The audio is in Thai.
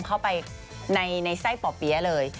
เข้าไปในไส้ป่อเปี๊ยะเลย